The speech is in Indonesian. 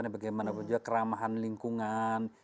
bagaimana juga keramahan lingkungan